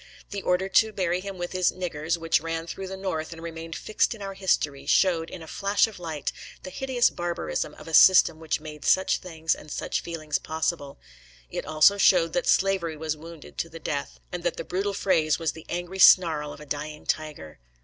The order to bury him with his "niggers," which ran through the North and remained fixed in our history, showed, in a flash of light, the hideous barbarism of a system which made such things and such feelings possible. It also showed that slavery was wounded to the death, and that the brutal phrase was the angry snarl of a dying tiger.